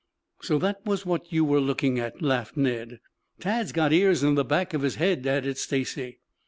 "So, that was what you were looking at?" laughed Ned. "Tad's got ears in the back of his head," added Stacy.